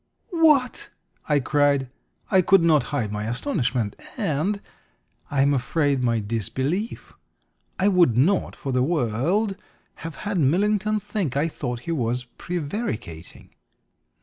"What?" I cried. I could not hide my astonishment and, I am afraid, my disbelief. I would not, for the world, have had Millington think I thought he was prevaricating.